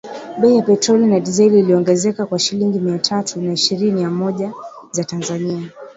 Bei ya petroli na dizeli iliongezeka kwa shilingi mia tatu na ishirini na moja za Tanzania